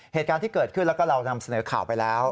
เหตุการณ์ที่เกิดขึ้นแล้วก็เรานำเสนอข่าวไปแล้ว